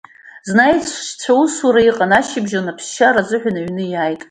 Зны аишьцәа усура иҟан ашьыбжьон аԥсшьара азыҳәа аҩны иааит.